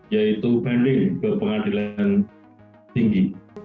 yaitu banding ke pengadilan tinggi